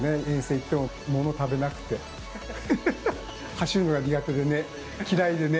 走るのが苦手でね嫌いでね。